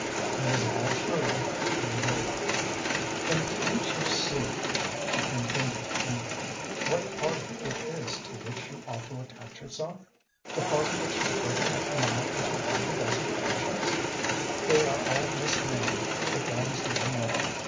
"It is all true," he agreed. "Then can't you see," she continued eagerly, "what party it is to which you ought to attach yourself the party which has broken up now into half a dozen factions? They are all misnamed but that is no matter.